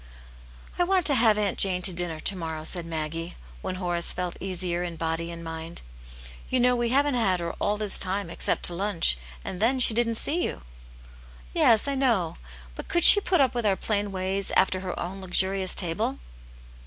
" I want to have Aunt Jane to dinner to morrow," said Maggie, when Horace felt easier in body and mind. "You know we haven't had her all this time, except to lunch, and then she didn't see you." "Yes, I know. But could she put up with our plain ways, after her own luxurious table?"